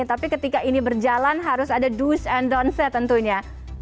tapi ketika ini berjalan harus ada do's and don'ts ya tentunya